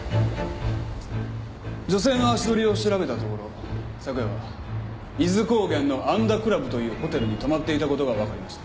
女性の足取りを調べたところ昨夜は伊豆高原のアンダ倶楽部というホテルに泊まっていた事がわかりました。